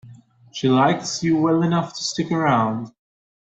She likes you well enough to stick around.